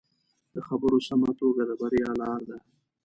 د خبرو سمه توګه د بریا لاره ده